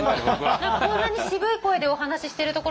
こんなに渋い声でお話ししてるところ